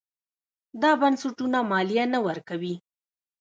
دا بنسټونه مالیه نه ورکوي.